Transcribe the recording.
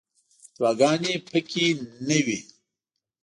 فتواګانې په کې نه وي.